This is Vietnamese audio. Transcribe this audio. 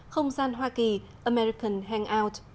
không gian hoa kỳ american hangout